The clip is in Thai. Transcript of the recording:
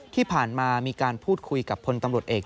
ที่ผ่านมามีการพูดคุยกับพลตำรวจเอก